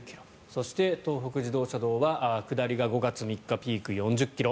そして、東北自動車道は下りが５月３日ピーク４０ｋｍ。